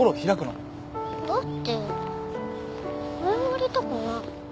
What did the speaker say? だって謝りたくない。